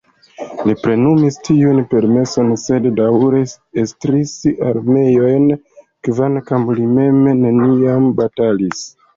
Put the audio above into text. Li plenumis tiun promeson sed daŭre estris armeojn, kvankam li mem neniam batalis.